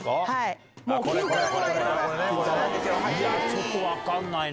ちょっと分かんないな。